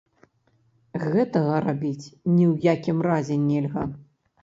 Гэтага рабіць ні ў якім разе нельга.